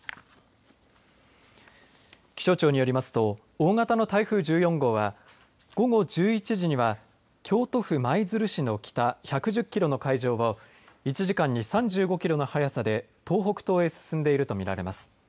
気象庁によりますと大型の台風１４号は午後１１時には京都府舞鶴市の北１１０キロの海上を１時間に３５キロの速さで東北東へ進んでいると見られます。